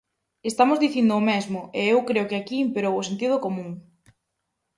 Estamos dicindo o mesmo, e eu creo que aquí imperou o sentido común.